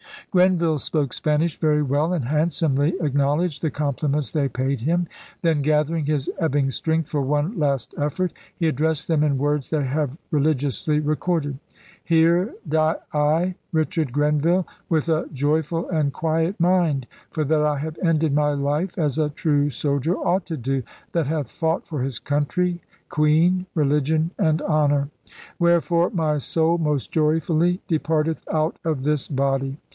* Grenville spoke Spanish very well and handsomely acknowledged the compliments they paid him. Then, gathering his ebbing strength for one last effort, he addressed them in words they have re ligiously recorded: ' "Here die I, Richard Grenville, with a joyful and quiet mind; for that I have ended my life as a true soldier ought to do, that hath fought for his country, queen, religion, and honour. Wherefore my soul most joyfully de parteth out of this body."